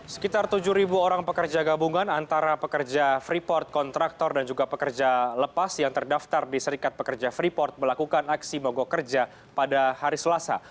sekitar tujuh orang pekerja gabungan antara pekerja freeport kontraktor dan juga pekerja lepas yang terdaftar di serikat pekerja freeport melakukan aksi mogok kerja pada hari selasa